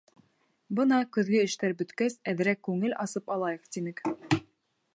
Бына көҙгө эштәр бөткәс, әҙерәк күңел асып алайыҡ, тинек.